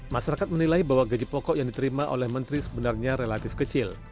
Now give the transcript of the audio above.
masyarakat menilai bahwa gaji pokok yang diterima oleh menteri sebenarnya relatif kecil